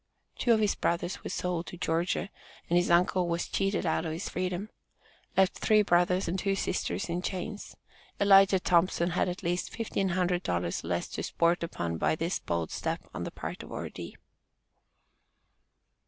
Two of his brothers were sold to Georgia, and his uncle was cheated out of his freedom. Left three brothers and two sisters in chains. Elijah Thompson had at least fifteen hundred dollars less to sport upon by this bold step on the part of Ordee.